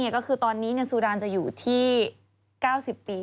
ก็คือตอนนี้เงินซูดานจะอยู่ที่๙๐ปี